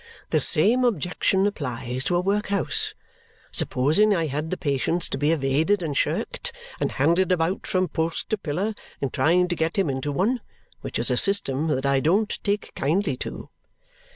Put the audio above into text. The same objection applies to a workhouse, supposing I had the patience to be evaded and shirked, and handed about from post to pillar in trying to get him into one, which is a system that I don't take kindly to."